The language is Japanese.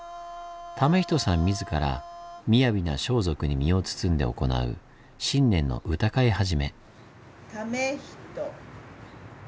為人さん自ら雅な装束に身を包んで行う新年の「歌会始」。